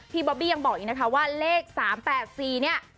บอบบี้ยังบอกอีกนะคะว่าเลข๓๘๔เนี่ย